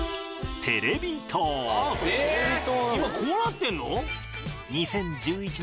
今こうなってんの？